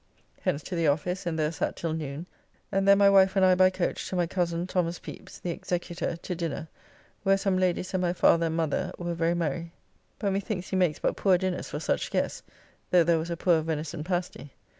Hence to the office, and there sat till noon, and then my wife and I by coach to my cozen, Thos. Pepys, the Executor, to dinner, where some ladies and my father and mother, where very merry, but methinks he makes but poor dinners for such guests, though there was a poor venison pasty.